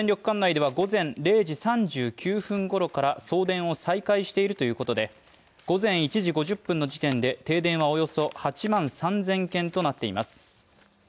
管内では午前０時３９分ごろから送電を再開しているということで、午前１時５０分の時点で停電はおよそ８万３０００件となっています。